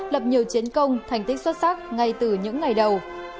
lập nhiều chiến công thành tích xuất sắc ngay từ những ngày đầu